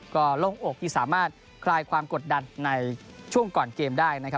ก็โล่งอกที่สามารถคลายความกดดันในช่วงก่อนเกมได้นะครับ